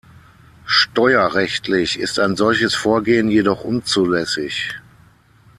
Steuerrechtlich ist ein solches Vorgehen jedoch unzulässig.